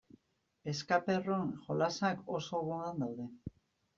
Escape-room jolasak oso modan daude.